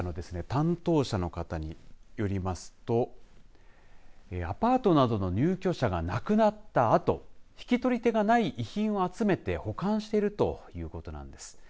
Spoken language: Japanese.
担当者の方によりますとアパートなどの入居者が亡くなったあと引き取り手がない遺品を集めて保管しているということなんです。